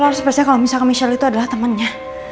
lo harus percaya kalau misalkan michelle itu adalah temannya